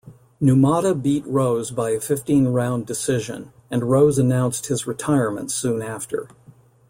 Numata beat Rose by a fifteen-round decision, and Rose announced his retirement soon after.